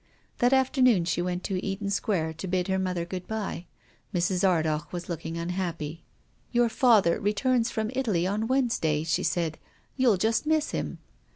That after noon she went to Eaton Square to bid her mother good bye. Mrs. Ardagh was looking unhappy. " Your father returns from Italy on Wednes day," she said. " You'll just miss him."